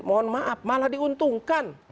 mohon maaf malah diuntungkan